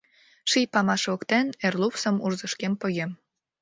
Ший памаш воктен эр лупсым урзышкем погем